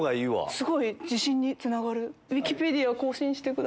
すごい自信につながる。